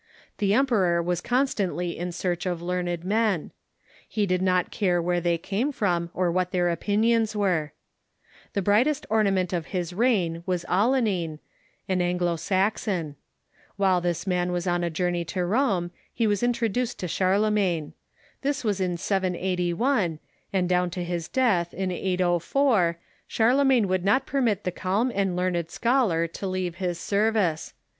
The emperor was constantly o u I t in search of learned men. He did not care where Scholars ot Charlemagne's they came from or what their opinions were. The Court brightest ornament of his reign was Alcuin, an An glo Saxon. While this man was on a journey to Rome, he was introduced to Charlemagne. This was in 781, and down to his death, in 804, Charlemagne would not permit the calm and learned scholar to leave his service.